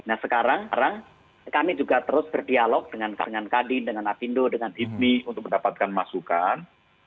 nah sekarang kami juga terus berdialog dengan kadin dengan afindo dengan disney untuk mendapatkan masukan